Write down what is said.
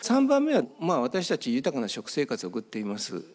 ３番目はまあ私たち豊かな食生活を送っています。